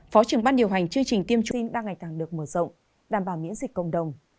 phó trưởng ban điều hành chương trình tiêm sren đang ngày càng được mở rộng đảm bảo miễn dịch cộng đồng